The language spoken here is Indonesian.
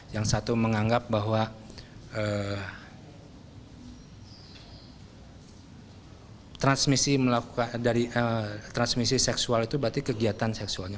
yang satu menganggap bahwa transmisi seksual itu berarti kegiatan seksualnya